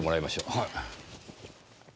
はい。